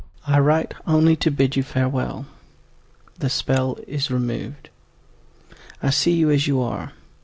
_—— Hotel. I write only to bid you farewell, the spell is removed; I see you as you are.